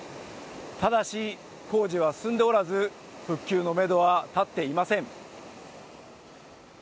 ただし工事は進んで折らず復旧のめどは立っていません。